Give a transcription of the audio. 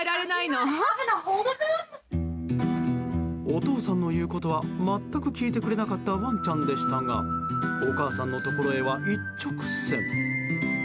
お父さんの言うことは全く聞いてくれなかったワンちゃんでしたがお母さんのところへは一直線。